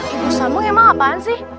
ibu sambung emang ngapain sih